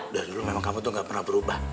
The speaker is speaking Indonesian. dari dulu memang kamu tuh gak pernah berubah